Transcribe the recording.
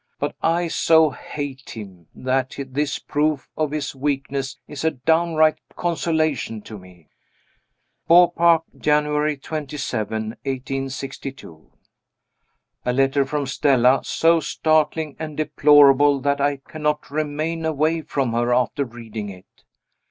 But I so hate him, that this proof of his weakness is a downright consolation to me. Beaupark, January 27, 1862. A letter from Stella, so startling and deplorable that I cannot remain away from her after reading it.